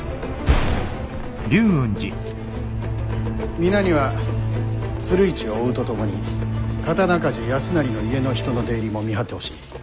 皆には鶴市を追うとともに刀鍛冶康成の家の人の出入りも見張ってほしい。